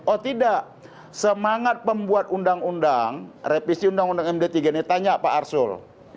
oh tidak semangat pembuat undang undang revisi undang undang md tiga ini tanya pak arsul